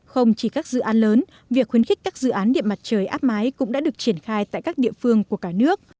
không chỉ các dự án lớn việc khuyến khích các dự án điện mặt trời áp mái cũng đã được triển khai tại các địa phương của cả nước